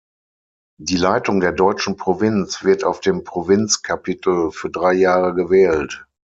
Die Leitung der deutschen Provinz wird auf dem Provinzkapitel für drei Jahre gewählt.